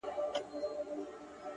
• عجیبه ده لېونی آمر مي وایي ـ